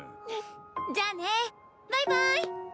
じゃあねバイバイ。